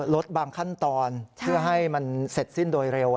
ลดบางขั้นตอนเพื่อให้มันเสร็จสิ้นโดยเร็ว